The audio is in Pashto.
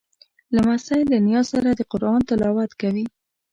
لمسی له نیا سره د قرآن تلاوت کوي.